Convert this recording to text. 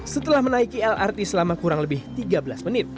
setelah menaiki lrt selama kurang lebih tiga belas menit